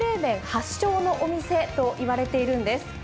発祥のお店といわれているんです。